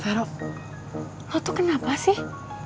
farouk lo tuh kenapa sih